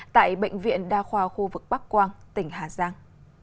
tại bệnh viện đa khoa khu vực bắc quang tỉnh hà giang